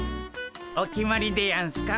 お決まりでやんすか？